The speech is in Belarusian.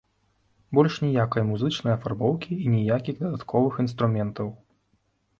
Больш ніякай музычнай афарбоўкі і ніякіх дадатковых інструментаў.